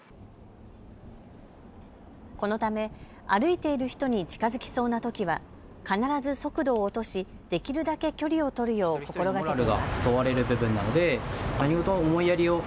このため歩いている人に近づきそうなときは必ず速度を落とし、できるだけ距離を取るよう心がけています。